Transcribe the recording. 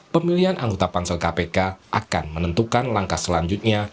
pemilihan anggota pansel kpk akan menentukan langkah selanjutnya